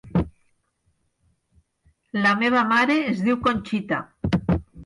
La meva mare es diu Conxita.